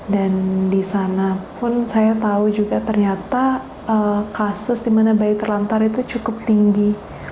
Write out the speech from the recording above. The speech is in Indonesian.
dan di sana pun saya tahu juga ternyata kasus di mana bayi terlantar itu cukup tinggi